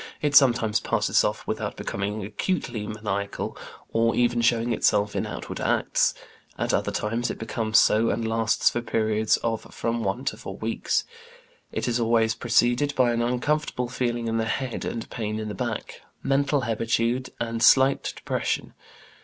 It sometimes passes off without becoming acutely maniacal, or even showing itself in outward acts; at other times it becomes so, and lasts for periods of from one to four weeks. It is always preceded by an uncomfortable feeling in the head, and pain in the back, mental hebetude, and slight depression.